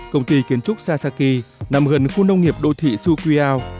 công ty kiến trúc sasaki nằm gần khu nông nghiệp đô thị sukiao